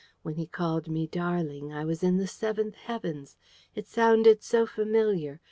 When he called me "darling," I was in the seventh heavens. It sounded so familiar.